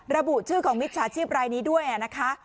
ระบุชื่อของมิจฉาชีพรายนี้ด้วยนะคะ